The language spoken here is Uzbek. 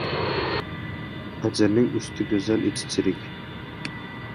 • Anjirning usti go‘zal, ichi chirik.